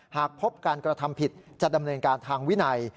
หากพบการกระทำผิดจะดำเนินการทางวินัย